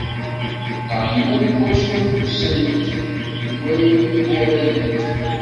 Neɣ yella deg wacu irewsent, d wayen i mgaradent.